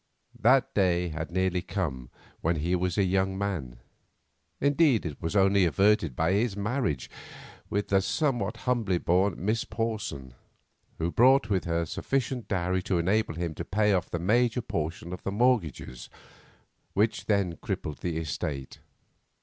That day had nearly come when he was a young man; indeed, it was only averted by his marriage with the somewhat humbly born Miss Porson, who brought with her sufficient dowry to enable him to pay off the major portion of the mortgages which then crippled the estate.